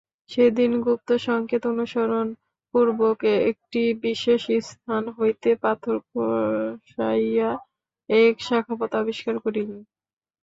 সেদিন গুপ্তসংকেত অনুসরণপূর্বক একটি বিশেষ স্থান হইতে পাথর খসাইয়া এক শাখাপথ আবিষ্কার করিলেন।